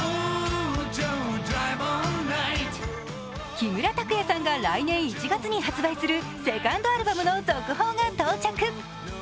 木村拓哉さんが来年１月に発売するセカンドアルバムの続報が到着。